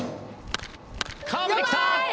カーブできた！